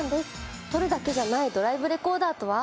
録るだけじゃないドライブレコーダーとは？